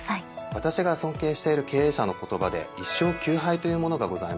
私が尊敬している経営者の言葉で「一勝九敗」というものがございます。